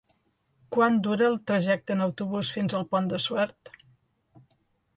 Quant dura el trajecte en autobús fins al Pont de Suert?